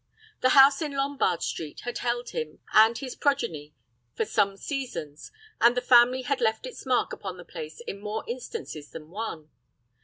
The house in Lombard Street had held him and his progeny for some seasons, and the family had left its mark upon the place in more instances than one.